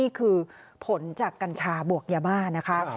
นี่คือผลจากกัญชาบวกยาบ้านนะคะ